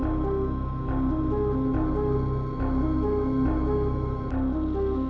isinya sedang merumpot